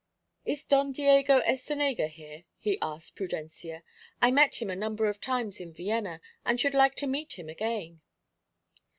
"Is Don Diego Estenega here?" he asked Prudencia. "I met him a number of times in Vienna, and should like to meet him again."